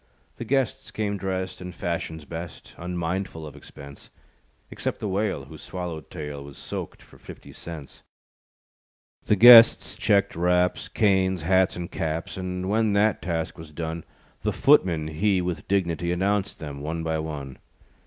The guests came dressed, In fashion's best, Unmindful of expense; Except the whale, Whose swallowtail, Was "soaked" for fifty cents. The guests checked wraps, Canes, hats and caps; And when that task was done, The footman he With dignitee, Announced them one by one.